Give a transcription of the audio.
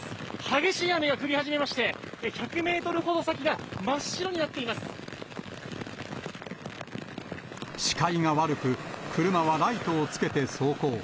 激しい雨が降り始めまして、１００メートルほど先が真っ白に視界が悪く、車はライトをつけて走行。